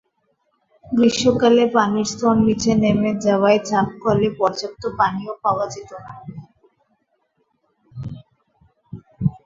গ্রীষ্মকালে পানির স্তর নিচে নেমে যাওয়ায় চাপকলে পর্যাপ্ত পানিও পাওয়া যেত না।